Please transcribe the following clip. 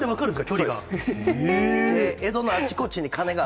距離が。